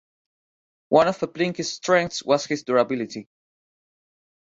One of Peplinski's strengths was his durability.